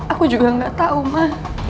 aku juga nggak tahu ma